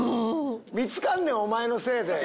見つかんねんおまえのせいで。